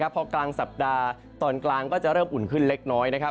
พอกลางสัปดาห์ตอนกลางก็จะเริ่มอุ่นขึ้นเล็กน้อย